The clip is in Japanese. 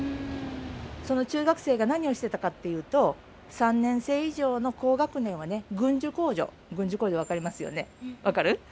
その中学生が何をしてたかっていうと３年生以上の高学年はね軍需工場軍需工場分かりますよね分かる？